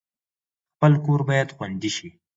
خپل کور باید خوندي شي